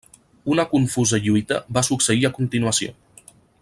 Una confusa lluita va succeir a continuació.